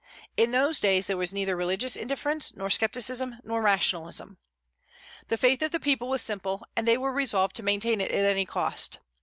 In those days there was neither religious indifference nor scepticism nor rationalism. The faith of the people was simple, and they were resolved to maintain it at any cost.